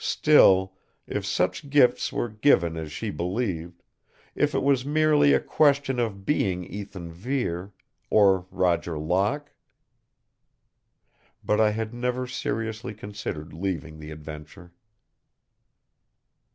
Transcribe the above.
Still, if such gifts were given as she believed, if it was merely a question of being Ethan Vere or Roger Locke ? But I had never seriously considered leaving the adventure.